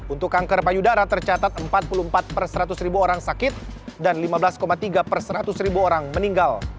untuk kanker payudara tercatat empat puluh empat per seratus ribu orang sakit dan lima belas tiga per seratus ribu orang meninggal